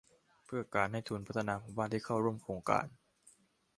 เพื่อการให้ทุนพัฒนาหมู่บ้านที่เข้าร่วมโครงการ